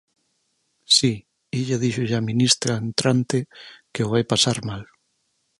Si, Illa díxolle a ministra entrante que o vai pasar mal.